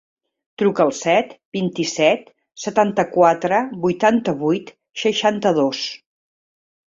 Truca al set, vint-i-set, setanta-quatre, vuitanta-vuit, seixanta-dos.